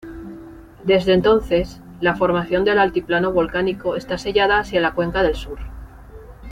Desde entonces, la formación del altiplano volcánico está sellada hacia la cuenca del sur.